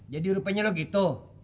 jadi rupanya lu gitu